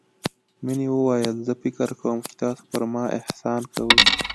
مينې وويل زه فکر کوم چې تاسو پر ما احسان کوئ.